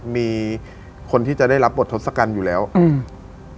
มีคนที่จะได้รับบททศกัณฐ์อยู่แล้วอืม